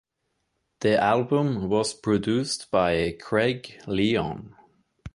The album was produced by Craig Leon.